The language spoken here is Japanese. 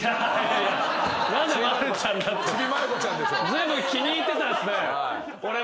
ずいぶん気に入ってたんですね。